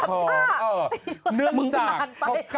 ไม่ต้องทำท่าเนื่องจาก